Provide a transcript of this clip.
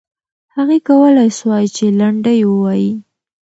هغې کولای سوای چې لنډۍ ووایي.